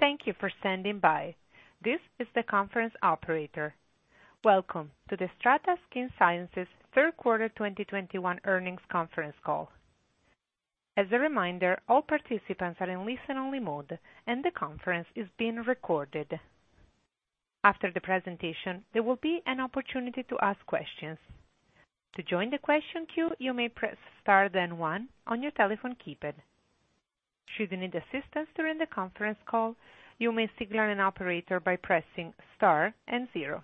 Thank you for standing by. This is the conference operator. Welcome to the STRATA Skin Sciences third quarter 2021 earnings conference call. As a reminder, all participants are in listen-only mode, and the conference is being recorded. After the presentation, there will be an opportunity to ask questions. To join the question queue, you may press star one on your telephone keypad. Should you need assistance during the conference call, you may signal an operator by pressing star and zero.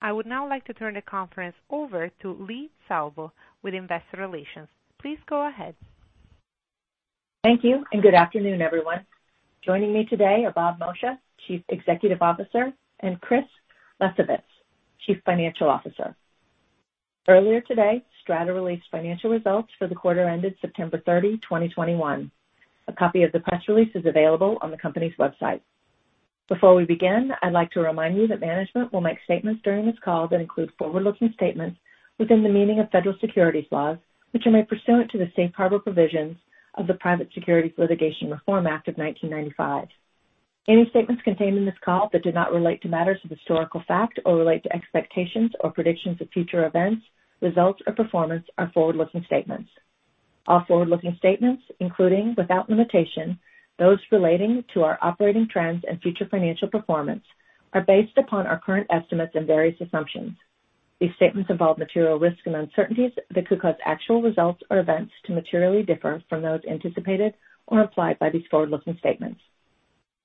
I would now like to turn the conference over to Leigh Salvo with investor relations. Please go ahead. Thank you, and good afternoon, everyone. Joining me today are Bob Moccia, Chief Executive Officer, and Chris Lesovitz, Chief Financial Officer. Earlier today, STRATA released financial results for the quarter ended September 30, 2021. A copy of the press release is available on the company's website. Before we begin, I'd like to remind you that management will make statements during this call that include forward-looking statements within the meaning of federal securities laws, which are made pursuant to the safe harbor provisions of the Private Securities Litigation Reform Act of 1995. Any statements contained in this call that do not relate to matters of historical fact or relate to expectations or predictions of future events, results, or performance are forward-looking statements. All forward-looking statements, including, without limitation, those relating to our operating trends and future financial performance, are based upon our current estimates and various assumptions. These statements involve material risks and uncertainties that could cause actual results or events to materially differ from those anticipated or implied by these forward-looking statements.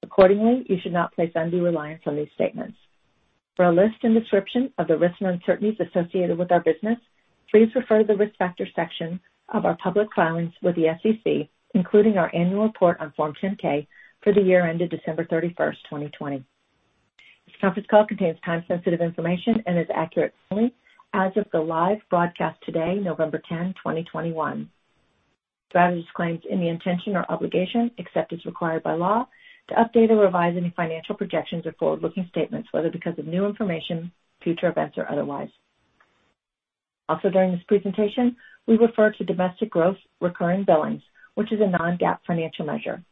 Accordingly, you should not place undue reliance on these statements. For a list and description of the risks and uncertainties associated with our business, please refer to the Risk Factors section of our public filings with the SEC, including our annual report on Form 10-K for the year ended December 31st, 2020. This conference call contains time-sensitive information and is accurate only as of the live broadcast today, November 10, 2021. STRATA disclaims any intention or obligation, except as required by law, to update or revise any financial projections or forward-looking statements, whether because of new information, future events, or otherwise. Also, during this presentation, we refer to domestic gross recurring billings, which is a non-GAAP financial measure.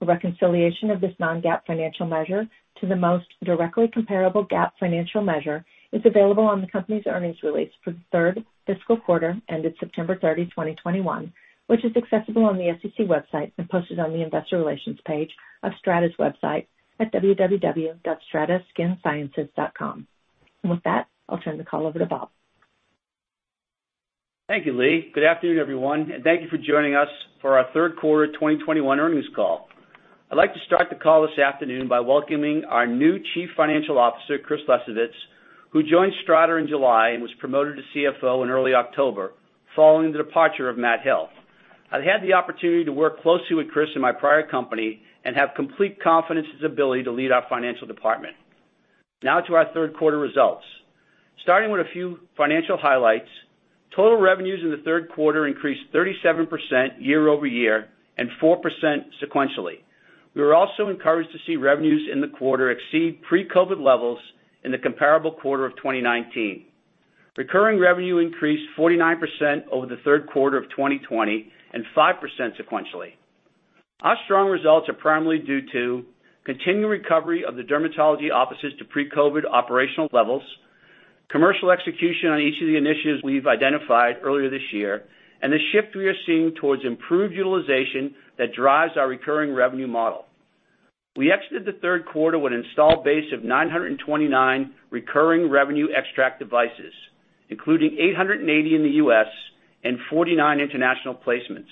A reconciliation of this non-GAAP financial measure to the most directly comparable GAAP financial measure is available on the company's earnings release for the third fiscal quarter ended September 30, 2021, which is accessible on the SEC website and posted on the investor relations page of STRATA's website at www.strataskinsciences.com. With that, I'll turn the call over to Bob. Thank you, Leigh. Good afternoon, everyone, and thank you for joining us for our third quarter 2021 earnings call. I'd like to start the call this afternoon by welcoming our new Chief Financial Officer, Chris Lesovitz, who joined STRATA in July and was promoted to CFO in early October following the departure of Matt Hill. I've had the opportunity to work closely with Chris in my prior company and have complete confidence in his ability to lead our financial department. Now to our third quarter results. Starting with a few financial highlights, total revenues in the third quarter increased 37% year-over-year and 4% sequentially. We were also encouraged to see revenues in the quarter exceed pre-COVID levels in the comparable quarter of 2019. Recurring revenue increased 49% over the third quarter of 2020 and 5% sequentially. Our strong results are primarily due to continued recovery of the dermatology offices to pre-COVID operational levels, commercial execution on each of the initiatives we've identified earlier this year, and the shift we are seeing towards improved utilization that drives our recurring revenue model. We exited the third quarter with an installed base of 929 recurring revenue XTRAC devices, including 880 in the U.S. and 49 international placements.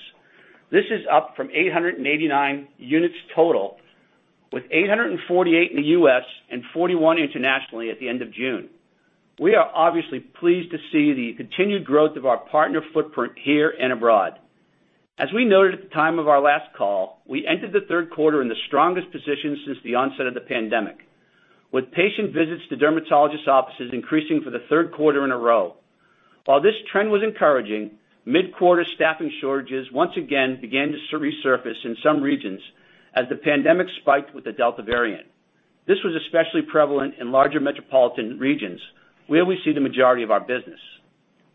This is up from 889 units total, with 848 in the U.S. and 41 internationally at the end of June. We are obviously pleased to see the continued growth of our partner footprint here and abroad. As we noted at the time of our last call, we entered the third quarter in the strongest position since the onset of the pandemic, with patient visits to dermatologists' offices increasing for the third quarter in a row. While this trend was encouraging, midquarter staffing shortages once again began to resurface in some regions as the pandemic spiked with the Delta variant. This was especially prevalent in larger metropolitan regions, where we see the majority of our business.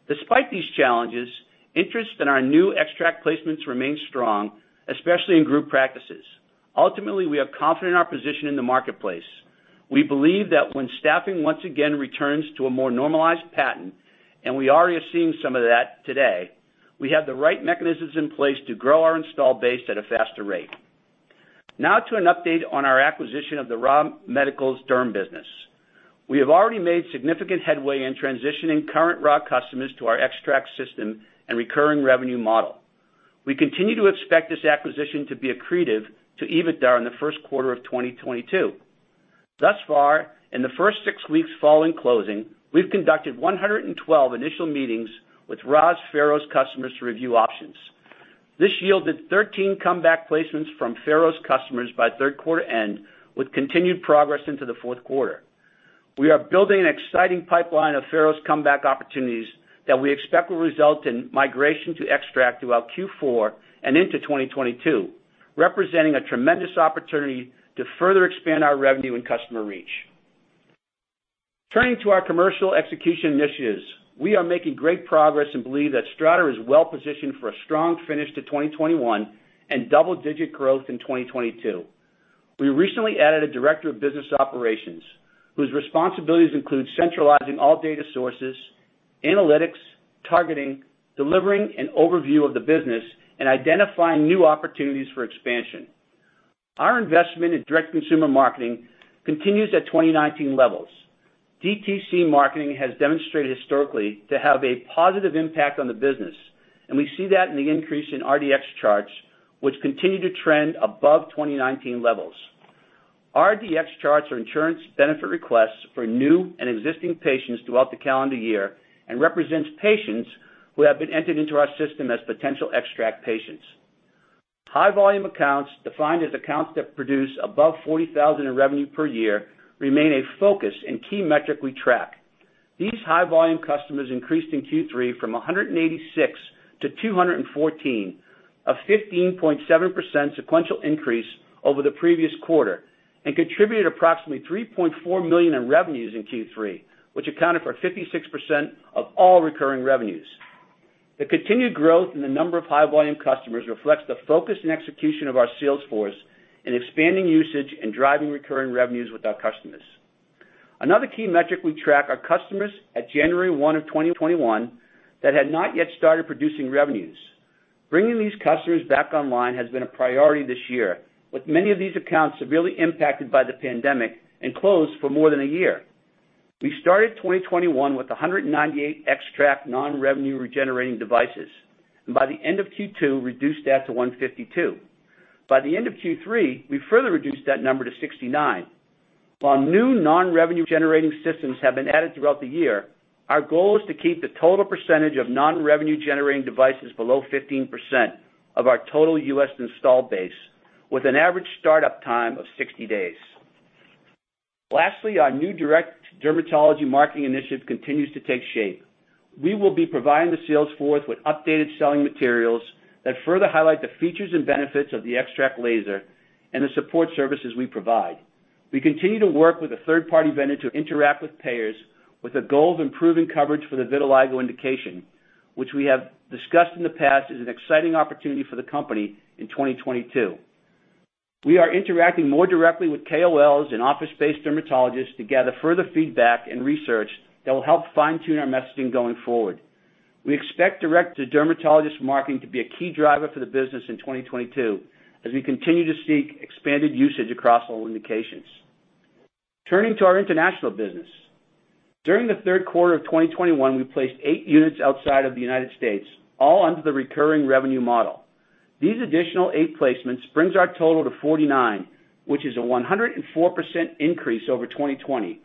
Despite these challenges, interest in our new XTRAC placements remains strong, especially in group practices. Ultimately, we are confident in our position in the marketplace. We believe that when staffing once again returns to a more normalized pattern, and we already are seeing some of that today, we have the right mechanisms in place to grow our installed base at a faster rate. Now to an update on our acquisition of the Ra Medical's Derm business. We have already made significant headway in transitioning current Ra customers to our XTRAC system and recurring revenue model. We continue to expect this acquisition to be accretive to EBITDA in the first quarter of 2022. Thus far, in the first six weeks following closing, we've conducted 112 initial meetings with Ra's Pharos customers to review options. This yielded 13 comeback placements from Pharos customers by third quarter end, with continued progress into the fourth quarter. We are building an exciting pipeline of Pharos comeback opportunities that we expect will result in migration to XTRAC throughout Q4 and into 2022, representing a tremendous opportunity to further expand our revenue and customer reach. Turning to our commercial execution initiatives. We are making great progress and believe that STRATA is well-positioned for a strong finish to 2021 and double-digit growth in 2022. We recently added a director of business operations, whose responsibilities include centralizing all data sources, analytics, targeting, delivering an overview of the business, and identifying new opportunities for expansion. Our investment in direct consumer marketing continues at 2019 levels. DTC marketing has demonstrated historically to have a positive impact on the business, and we see that in the increase in RDX charts, which continue to trend above 2019 levels. RDX charts are insurance benefit requests for new and existing patients throughout the calendar year and represents patients who have been entered into our system as potential XTRAC patients. High volume accounts, defined as accounts that produce above $40,000 in revenue per year, remain a focus and key metric we track. These high volume customers increased in Q3 from 186 to 214, a 15.7% sequential increase over the previous quarter, and contributed approximately $3.4 million in revenues in Q3, which accounted for 56% of all recurring revenues. The continued growth in the number of high volume customers reflects the focus and execution of our sales force in expanding usage and driving recurring revenues with our customers. Another key metric we track are customers at January 1, 2021 that had not yet started producing revenues. Bringing these customers back online has been a priority this year, with many of these accounts severely impacted by the pandemic and closed for more than a year. We started 2021 with 198 XTRAC non-revenue generating devices, and by the end of Q2, reduced that to 152. By the end of Q3, we further reduced that number to 69. While new non-revenue generating systems have been added throughout the year, our goal is to keep the total percentage of non-revenue generating devices below 15% of our total U.S. installed base with an average start-up time of 60 days. Lastly, our new direct dermatology marketing initiative continues to take shape. We will be providing the sales force with updated selling materials that further highlight the features and benefits of the XTRAC laser and the support services we provide. We continue to work with a third-party vendor to interact with payers with a goal of improving coverage for the vitiligo indication, which we have discussed in the past is an exciting opportunity for the company in 2022. We are interacting more directly with KOLs and office-based dermatologists to gather further feedback and research that will help fine-tune our messaging going forward. We expect direct-to-dermatologist marketing to be a key driver for the business in 2022 as we continue to seek expanded usage across all indications. Turning to our international business. During the third quarter of 2021, we placed eight units outside of the United States, all under the recurring revenue model. These additional eight placements brings our total to 49, which is a 104% increase over 2020.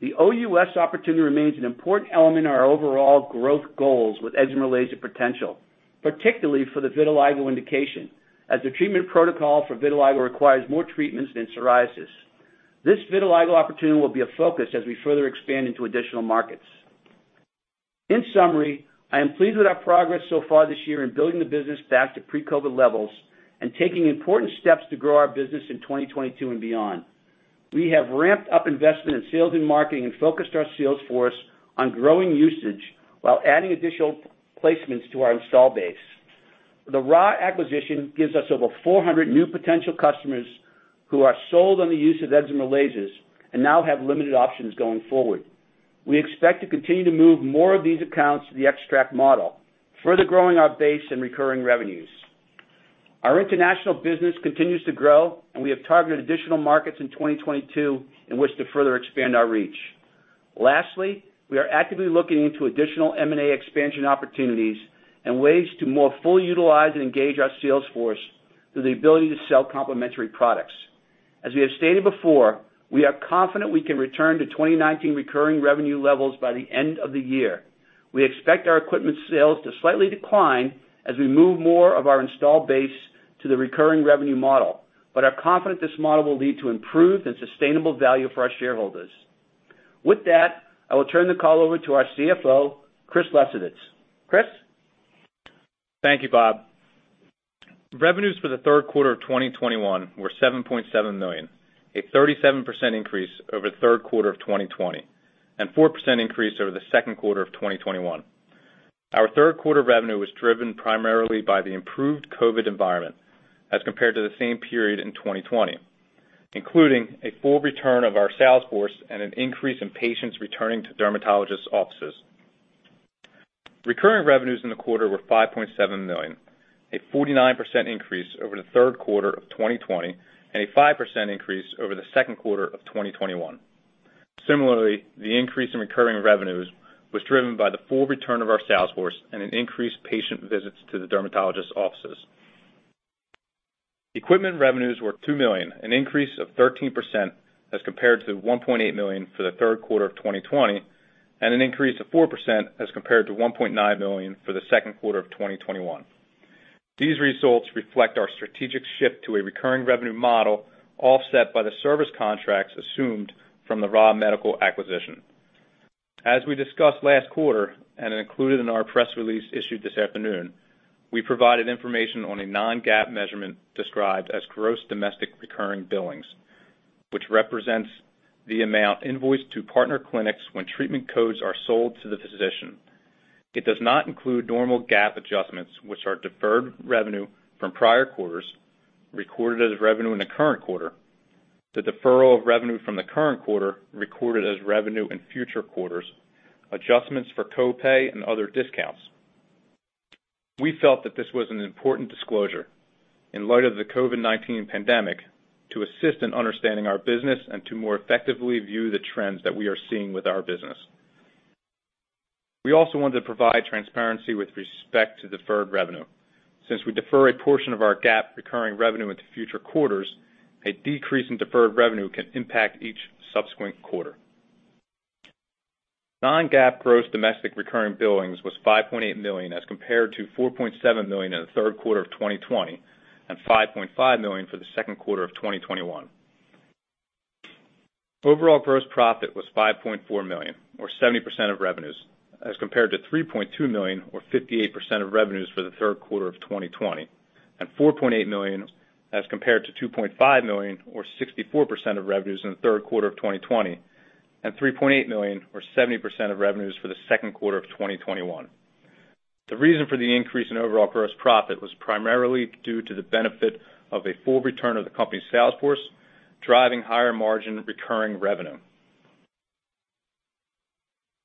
The OUS opportunity remains an important element in our overall growth goals with excimer laser potential, particularly for the vitiligo indication, as the treatment protocol for vitiligo requires more treatments than psoriasis. This vitiligo opportunity will be a focus as we further expand into additional markets. In summary, I am pleased with our progress so far this year in building the business back to pre-COVID levels and taking important steps to grow our business in 2022 and beyond. We have ramped up investment in sales and marketing and focused our sales force on growing usage while adding additional placements to our install base. The Ra acquisition gives us over 400 new potential customers who are sold on the use of excimer lasers and now have limited options going forward. We expect to continue to move more of these accounts to the XTRAC model, further growing our base and recurring revenues. Our international business continues to grow, and we have targeted additional markets in 2022 in which to further expand our reach. Lastly, we are actively looking into additional M&A expansion opportunities and ways to more fully utilize and engage our sales force through the ability to sell complementary products. As we have stated before, we are confident we can return to 2019 recurring revenue levels by the end of the year. We expect our equipment sales to slightly decline as we move more of our installed base to the recurring revenue model, but are confident this model will lead to improved and sustainable value for our shareholders. With that, I will turn the call over to our CFO, Chris Lesovitz. Chris? Thank you, Bob. Revenues for the third quarter of 2021 were $7.7 million, a 37% increase over the third quarter of 2020 and 4% increase over the second quarter of 2021. Our third quarter revenue was driven primarily by the improved COVID environment as compared to the same period in 2020, including a full return of our sales force and an increase in patients returning to dermatologists' offices. Recurring revenues in the quarter were $5.7 million, a 49% increase over the third quarter of 2020 and a 5% increase over the second quarter of 2021. Similarly, the increase in recurring revenues was driven by the full return of our sales force and an increase in patient visits to the dermatologists' offices. Equipment revenues were $2 million, an increase of 13% as compared to $1.8 million for the third quarter of 2020, and an increase of 4% as compared to $1.9 million for the second quarter of 2021. These results reflect our strategic shift to a recurring revenue model offset by the service contracts assumed from the Ra Medical acquisition. As we discussed last quarter and included in our press release issued this afternoon, we provided information on a non-GAAP measurement described as domestic gross recurring billings, which represents the amount invoiced to partner clinics when treatment codes are sold to the physician. It does not include normal GAAP adjustments which are deferred revenue from prior quarters recorded as revenue in the current quarter, the deferral of revenue from the current quarter recorded as revenue in future quarters, adjustments for co-pay and other discounts. We felt that this was an important disclosure in light of the COVID-19 pandemic to assist in understanding our business and to more effectively view the trends that we are seeing with our business. We also wanted to provide transparency with respect to deferred revenue. Since we defer a portion of our GAAP recurring revenue into future quarters, a decrease in deferred revenue can impact each subsequent quarter. Non-GAAP gross domestic recurring billings was $5.8 million as compared to $4.7 million in the third quarter of 2020, and $5.5 million for the second quarter of 2021. Overall gross profit was $5.4 million or 70% of revenues, as compared to $3.2 million or 58% of revenues for the third quarter of 2020, and $4.8 million, as compared to $2.5 million or 64% of revenues in the third quarter of 2020, and $3.8 million or 70% of revenues for the second quarter of 2021. The reason for the increase in overall gross profit was primarily due to the benefit of a full return of the company's sales force, driving higher margin recurring revenue.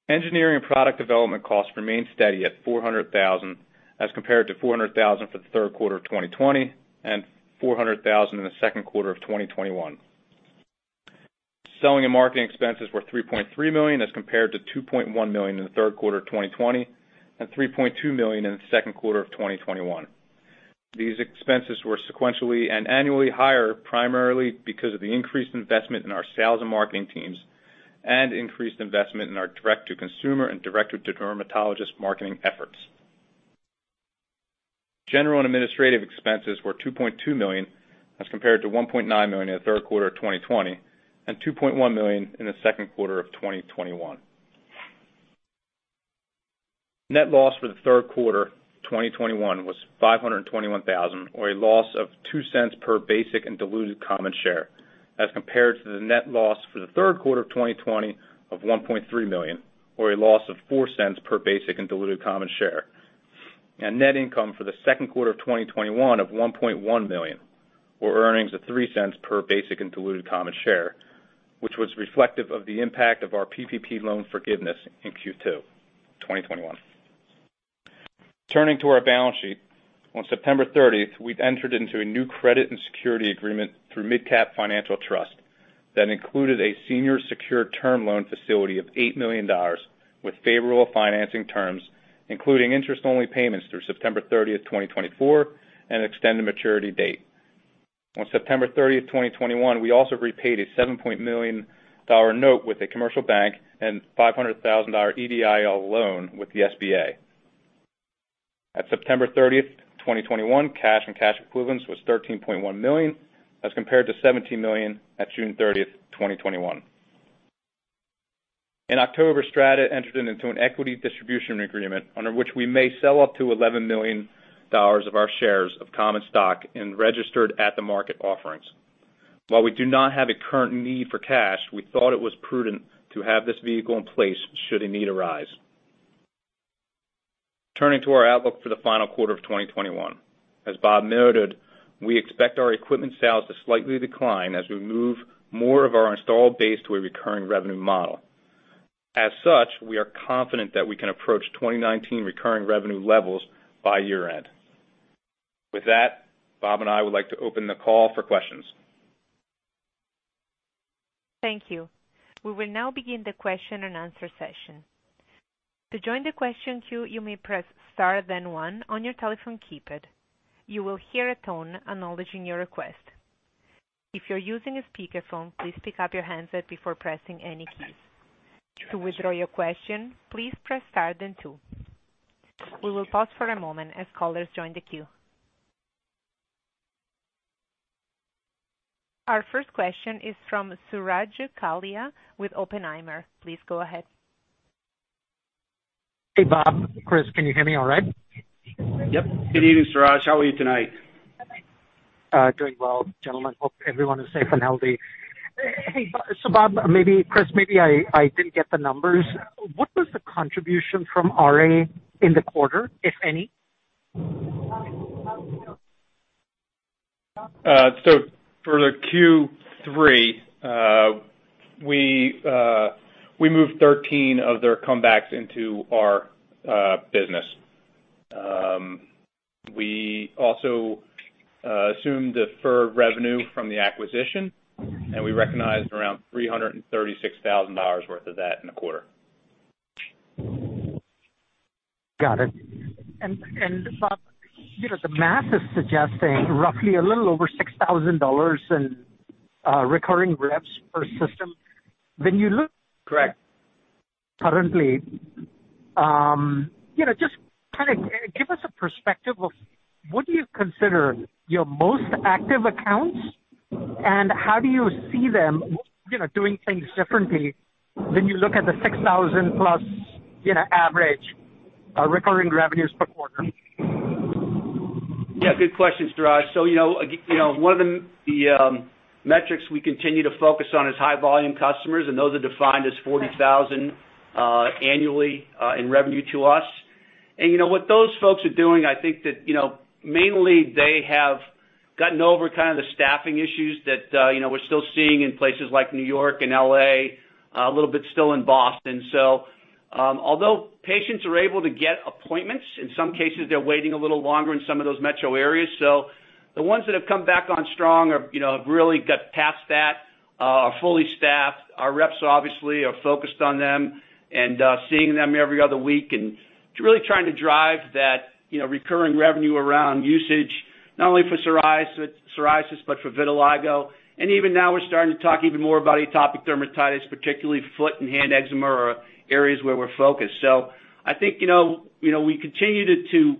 Engineering and product development costs remained steady at $400,000, as compared to $400,000 for the third quarter of 2020 and $400,000 in the second quarter of 2021. Selling and marketing expenses were $3.3 million as compared to $2.1 million in the third quarter of 2020 and $3.2 million in the second quarter of 2021. These expenses were sequentially and annually higher, primarily because of the increased investment in our sales and marketing teams and increased investment in our direct to consumer and direct to dermatologist marketing efforts. General and administrative expenses were $2.2 million as compared to $1.9 million in the third quarter of 2020 and $2.1 million in the second quarter of 2021. Net loss for the third quarter 2021 was $521,000, or a loss of $0.02 per basic and diluted common share, as compared to the net loss for the third quarter of 2020 of $1.3 million, or a loss of $0.04 per basic and diluted common share. Net income for the second quarter of 2021 of $1.1 million, or earnings of $0.03 per basic and diluted common share, which was reflective of the impact of our PPP loan forgiveness in Q2 2021. Turning to our balance sheet. On September 30th, we've entered into a new credit and security agreement through MidCap Financial Trust that included a senior secured term loan facility of $8 million with favorable financing terms, including interest-only payments through September 30th, 2024, and extended maturity date. On September 30th, 2021, we also repaid a $7 million note with a commercial bank and $500,000 EIDL loan with the SBA. At September 30th, 2021, cash and cash equivalents was $13.1 million as compared to $17 million at June 30th, 2021. In October, STRATA entered into an equity distribution agreement under which we may sell up to $11 million of our shares of common stock and registered at-the-market offerings. While we do not have a current need for cash, we thought it was prudent to have this vehicle in place should a need arise. Turning to our outlook for the final quarter of 2021. As Bob noted, we expect our equipment sales to slightly decline as we move more of our installed base to a recurring revenue model. As such, we are confident that we can approach 2019 recurring revenue levels by year-end. With that, Bob and I would like to open the call for questions. Thank you. We will now begin the question and answer session. To join the question queue, you may press star then one on your telephone keypad. You will hear a tone acknowledging your request. If you're using a speakerphone, please pick up your handset before pressing any keys. To withdraw your question, please press star then two. We will pause for a moment as callers join the queue. Our first question is from Suraj Kalia with Oppenheimer. Please go ahead. Hey, Bob. Chris, can you hear me all right? Yep. Good evening, Suraj. How are you tonight? Doing well, gentlemen. Hope everyone is safe and healthy. Hey, Bob, maybe Chris, I didn't get the numbers. What was the contribution from RA in the quarter, if any? For Q3, we moved 13 of their comebacks into our business. We also assumed deferred revenue from the acquisition, and we recognized around $336,000 worth of that in the quarter. Got it. Bob, you know, the math is suggesting roughly a little over $6,000 in recurring revs per system. When you look- Correct. Currently, you know, just kind of give us a perspective of what do you consider your most active accounts, and how do you see them, you know, doing things differently when you look at the $6,000+ average recurring revenues per quarter? Yeah. Good question, Suraj. You know, one of the metrics we continue to focus on is high volume customers, and those are defined as 40,000 annually in revenue to us. You know, what those folks are doing, I think that mainly they have gotten over kind of the staffing issues that you know, we're still seeing in places like New York and L.A., a little bit still in Boston. Although patients are able to get appointments, in some cases, they're waiting a little longer in some of those metro areas. The ones that have come back on strong are, you know, have really got past that, are fully staffed. Our reps obviously are focused on them and, seeing them every other week and really trying to drive that, you know, recurring revenue around usage, not only for psoriasis, but for vitiligo. Even now we're starting to talk even more about atopic dermatitis, particularly foot and hand eczema or areas where we're focused. I think, you know, we continue to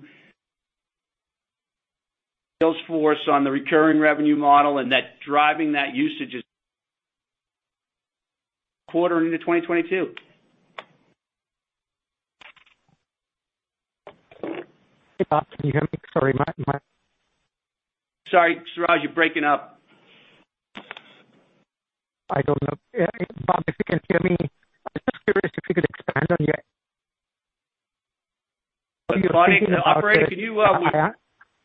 sales force on the recurring revenue model, and that driving that usage is quarter into 2022. Hey, Bob, can you hear me? Sorry, Sorry, Suraj, you're breaking up. I don't know. Bob, if you can hear me, I was just curious if you could expand on your- Operator, can you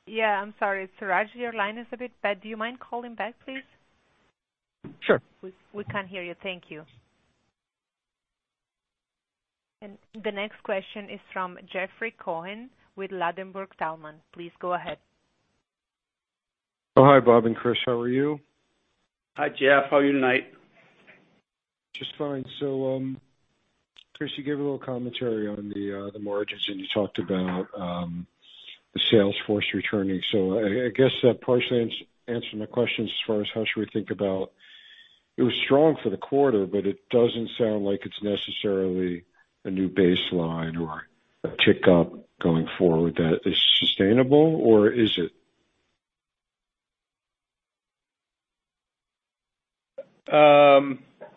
Yeah. I'm sorry, Suraj, your line is a bit bad. Do you mind calling back, please? Sure. We can't hear you. Thank you. The next question is from Jeffrey Cohen with Ladenburg Thalmann. Please go ahead. Oh, hi, Bob and Chris, how are you? Hi, Jeff. How are you tonight? Just fine. Chris, you gave a little commentary on the margins, and you talked about the sales force returning. I guess that partially answering the question as far as how should we think about it was strong for the quarter, but it doesn't sound like it's necessarily a new baseline or a tick up going forward that is sustainable, or is it?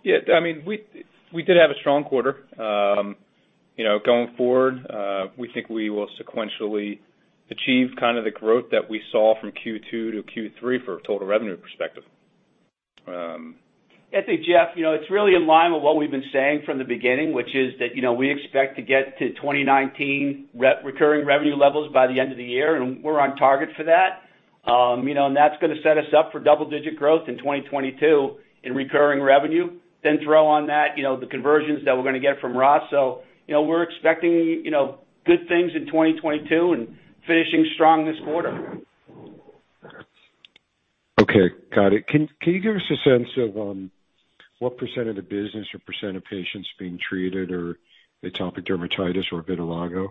Yeah, I mean, we did have a strong quarter. You know, going forward, we think we will sequentially achieve kind of the growth that we saw from Q2 to Q3 for a total revenue perspective. I think, Jeff, you know, it's really in line with what we've been saying from the beginning, which is that, you know, we expect to get to 2019 recurring revenue levels by the end of the year, and we're on target for that. You know, that's gonna set us up for double-digit growth in 2022 in recurring revenue. Throw on that, you know, the conversions that we're gonna get from Ra Medical. You know, we're expecting, you know, good things in 2022 and finishing strong this quarter. Okay. Got it. Can you give us a sense of what percent of the business or percent of patients being treated are atopic dermatitis or vitiligo?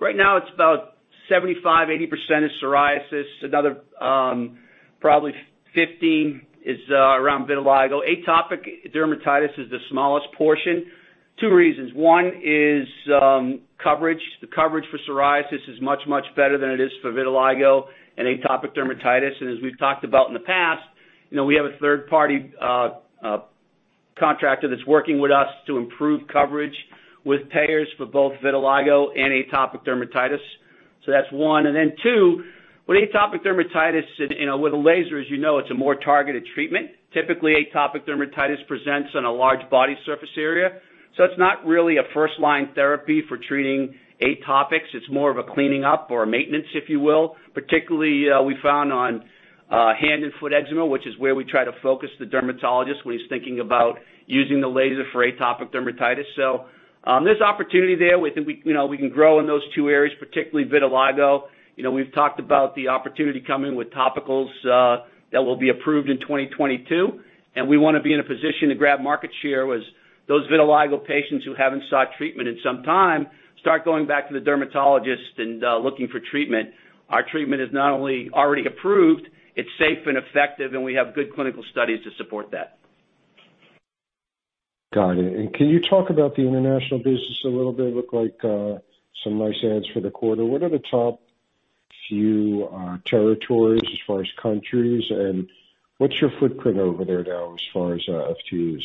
Right now it's about 75-80% is psoriasis. Another probably 15% is around vitiligo. Atopic dermatitis is the smallest portion. Two reasons. One is coverage. The coverage for psoriasis is much, much better than it is for vitiligo and atopic dermatitis. As we've talked about in the past, you know, we have a third-party contractor that's working with us to improve coverage with payers for both vitiligo and atopic dermatitis. That's one. Then two, with atopic dermatitis and with a laser, as you know, it's a more targeted treatment. Typically atopic dermatitis presents on a large body surface area. It's not really a first line therapy for treating atopics. It's more of a cleaning up or a maintenance, if you will. Particularly, we found on hand and foot eczema, which is where we try to focus the dermatologist when he's thinking about using the laser for atopic dermatitis. There's opportunity there. We think we, you know, we can grow in those two areas, particularly vitiligo. You know, we've talked about the opportunity coming with topicals that will be approved in 2022, and we wanna be in a position to grab market share with those vitiligo patients who haven't sought treatment in some time start going back to the dermatologist and looking for treatment. Our treatment is not only already approved, it's safe and effective, and we have good clinical studies to support that. Got it. Can you talk about the international business a little bit? Looked like some nice adds for the quarter. What are the top few territories as far as countries, and what's your footprint over there now as far as FTEs?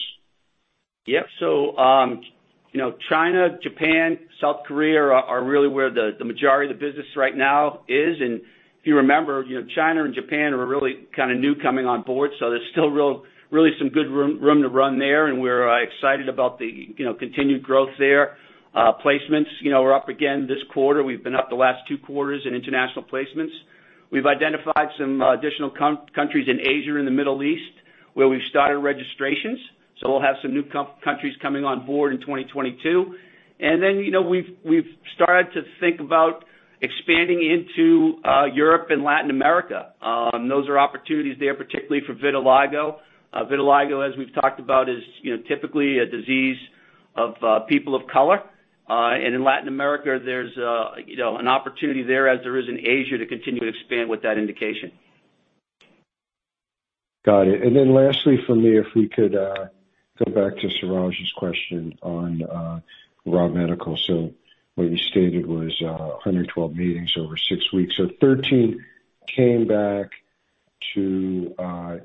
China, Japan, South Korea are really where the majority of the business right now is. If you remember, China and Japan are really kinda new coming on board, so there's still really some good room to run there, and we're excited about the continued growth there. Placements. We're up again this quarter. We've been up the last two quarters in international placements. We've identified some additional countries in Asia and the Middle East where we've started registrations, so we'll have some new countries coming on board in 2022. We've started to think about expanding into Europe and Latin America. Those are opportunities there, particularly for vitiligo. Vitiligo, as we've talked about, is, you know, typically a disease of people of color. In Latin America, there's, you know, an opportunity there as there is in Asia to continue to expand with that indication. Got it. Then lastly for me, if we could go back to Suraj's question on Ra Medical. What you stated was 112 meetings over six weeks. 13 came back to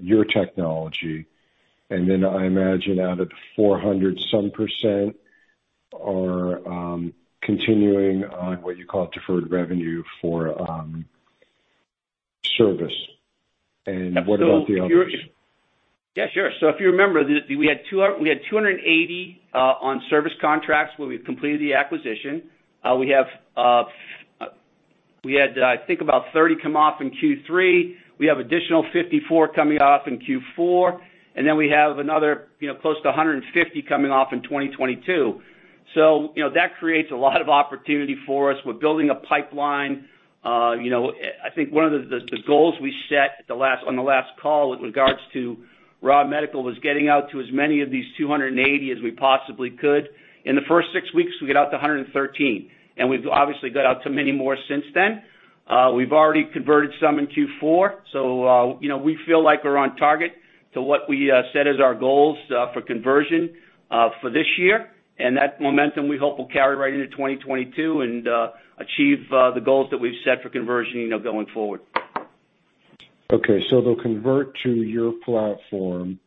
your technology, and then I imagine out of the 400 some percent are continuing on what you call deferred revenue for service. What about the others? Yeah, sure. If you remember, we had 280 on service contracts where we've completed the acquisition. We had about 30 come off in Q3. We have additional 54 coming off in Q4, and then we have another, you know, close to 150 coming off in 2022. You know, that creates a lot of opportunity for us. We're building a pipeline. You know, I think one of the goals we set on the last call with regards to Ra Medical was getting out to as many of these 280 as we possibly could. In the first six weeks, we got out to 113, and we've obviously got out to many more since then. We've already converted some in Q4, so, you know, we feel like we're on target to what we set as our goals for conversion for this year. That momentum we hope will carry right into 2022 and achieve the goals that we've set for conversion, you know, going forward. Okay. They'll convert to your platform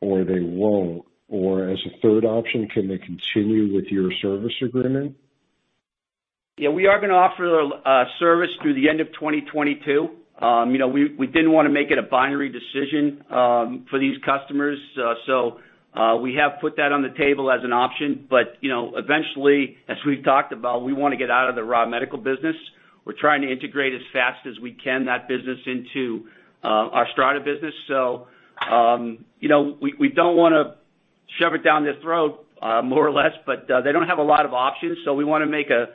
or they won't, or as a third option, can they continue with your service agreement? Yeah. We are gonna offer service through the end of 2022. You know, we didn't wanna make it a binary decision for these customers. We have put that on the table as an option, but you know, eventually, as we've talked about, we wanna get out of the Ra Medical business. We're trying to integrate as fast as we can that business into our STRATA business. You know, we don't wanna shove it down their throat more or less, but they don't have a lot of options. We wanna make it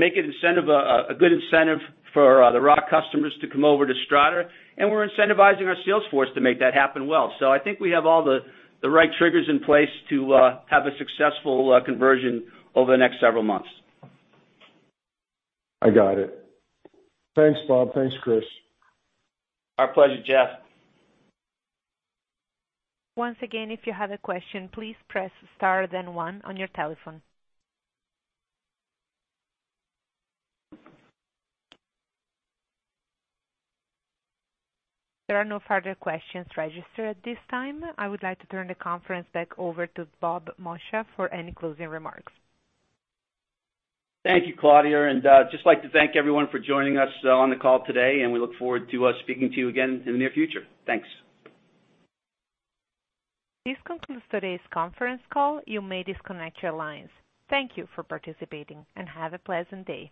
a good incentive for the Ra Medical customers to come over to STRATA, and we're incentivizing our sales force to make that happen well. I think we have all the right triggers in place to have a successful conversion over the next several months. I got it. Thanks, Bob. Thanks, Chris. Our pleasure, Jeff. Once again, if you have a question, please press star then one on your telephone. There are no further questions registered at this time. I would like to turn the conference back over to Bob Moccia for any closing remarks. Thank you, Claudia, and I'd just like to thank everyone for joining us on the call today, and we look forward to speaking to you again in the near future. Thanks. This concludes today's conference call. You may disconnect your lines. Thank you for participating, and have a pleasant day.